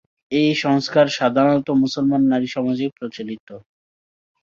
এ সংস্কার সাধারণত মুসলমান নারীসমাজেই প্রচলিত।